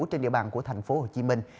trên địa bàn của thành phố hồ chí minh